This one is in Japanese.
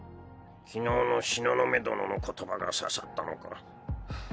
昨日の東雲殿の言葉が刺さったのか？